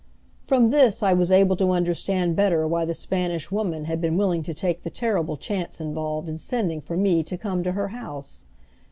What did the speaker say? From this I was able to understand better why the Spanish Woman had been willing to take the terrible chance involved in sending for me to come to her house.